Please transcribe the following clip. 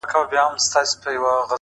د کلي مسجد غږ د وخت اندازه بدلوي.!